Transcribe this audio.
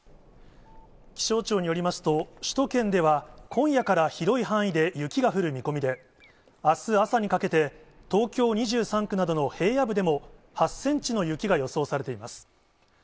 気象庁によりますと、首都圏では、今夜から広い範囲で雪が降る見込みで、あす朝にかけて、東京２３区などの平野部でも、８センチの雪が予想されています。